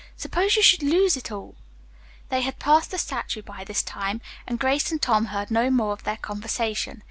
Suppose you should lose it all " They had passed the statue by this time, and Grace and Tom heard no more of their conversation.